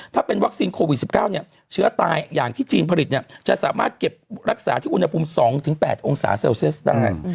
ถ้าเป็นวัคซีนโควิด๑๙เชื้อตายอย่างที่จีนผลิตจะสามารถเก็บรักษาที่อุณหภูมิ๒๘องศาเซลเซียสได้